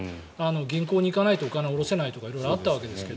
銀行に行かないとお金が下ろせないとか色々あったけど。